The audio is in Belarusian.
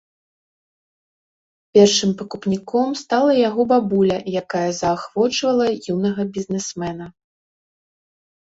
Першым пакупніком стала яго бабуля, якая заахвочвала юнага бізнесмена.